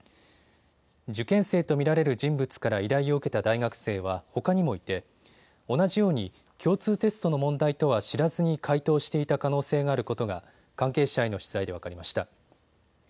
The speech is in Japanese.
受験生と見られる人物から依頼を受けた大学生はほかにもいて同じように共通テストの問題とは知らずに解答していた可能性があることが関係者への取材で分かりました。